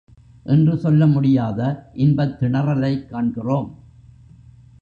என்று சொல்ல முடியாத இன்பத் திணறலைக் காண்கிறோம்.